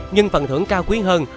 nhưng phần thưởng cao quý hơn